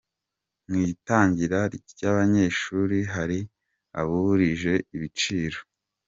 Mu itangira ry’abanyeshuri hari aburije ibiciro